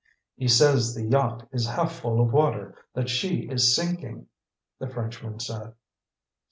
"He says the yacht is half full of water that she is sinking," the Frenchman said.